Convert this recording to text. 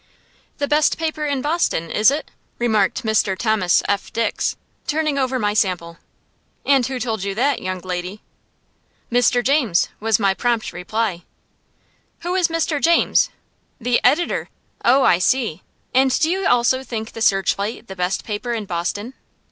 "The best paper in Boston, is it?" remarked Mr. Thomas F. Dix, turning over my sample. "And who told you that, young lady?" "Mr. James," was my prompt reply. "Who is Mr. James? The editor! Oh, I see. And do you also think the 'Searchlight' the best paper in Boston?"